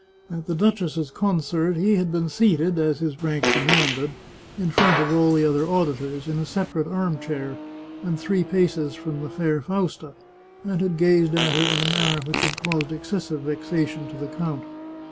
At the duchess's con cert he had been seated, as his rank demanded, in front of all the other auditors, in a separate arm chair, and three paces from the fair Fausta, and had gazed at her in a man ner which had caused excessive vexation to the count.